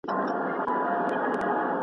د دروازې د ځنځير غږه